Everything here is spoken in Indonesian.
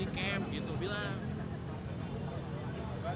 sehingga dari perlengkapan